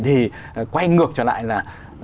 thì quay ngược trở lại là